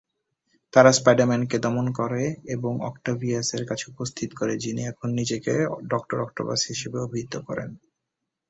তারা স্পাইডার-ম্যান কে দমন করে এবং অক্টাভিয়াস-এর কাছে উপস্থিত করে, যিনি এখন নিজেকে ডক্টর অক্টোপাস হিসেবে অভিহিত করেন।